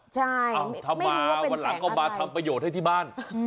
ใช่ไม่รู้ว่าเป็นแสงอะไรถ้ามาวันหลังเอามาทำประโยชน์ให้ที่บ้าน